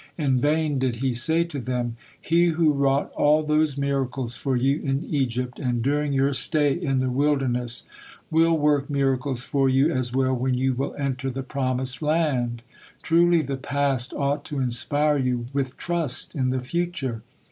In vain did he say to them, "He who wrought all those miracles for you in Egypt and during your stay in the wilderness will work miracles for you as well when you will enter the promised land. Truly the past ought to inspire you with trust in the future."